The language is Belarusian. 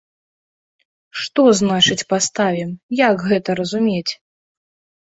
Што значыць паставім, як гэта разумець?